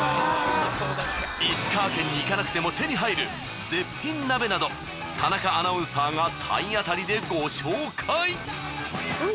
石川県に行かなくても手に入る絶品鍋など田中アナウンサーが体当たりでご紹介。